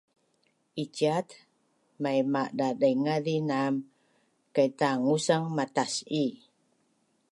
iciat maimadadaingaz inam kaitangusan matas’i